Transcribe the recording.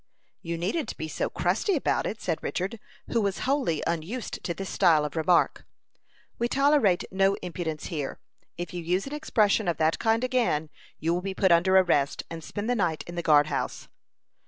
"You needn't be so crusty about it," said Richard, who was wholly unused to this style of remark. "We tolerate no impudence here. If you use an expression of that kind again, you will be put under arrest, and spend the night in the guard house."